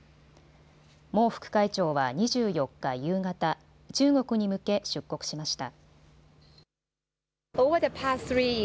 孟副会長は２４日夕方、中国に向け出国しました。